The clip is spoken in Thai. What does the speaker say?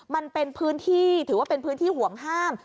มันเป็นพื้นที่ถือว่าเป็นพื้นที่ห่วงห้าม